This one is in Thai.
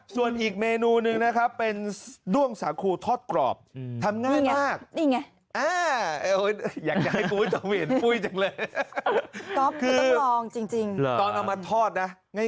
ส่วนอีกเมนูหนึ่งนะครับเป็นด้วงสาคูทอดกรอบทำง่ายมาก